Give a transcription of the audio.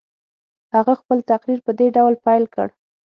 هغه خپل تقریر په دې ډول پیل کړ.